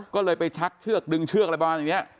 ก็เลยไปชักเชือกดึงเชือกอะไรประมาณอย่างนี้